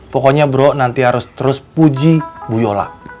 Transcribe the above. pokoknya bro nanti harus terus puji bu yola